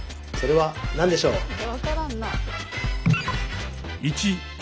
それは何でしょう？